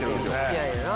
好きやねんな